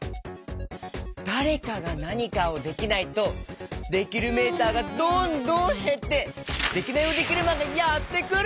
だれかがなにかをできないとできるメーターがどんどんへってデキナイヲデキルマンがやってくる！